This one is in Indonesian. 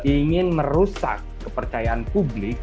ingin merusak kepercayaan publik